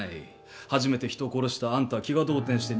初めて人を殺したあんたは気が動転して逃げた